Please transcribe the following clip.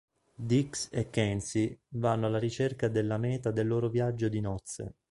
Deeks e Kensi vanno alla ricerca della meta del loro viaggio di nozze.